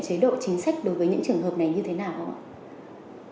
chế độ chính sách đối với những trường hợp này như thế nào không ạ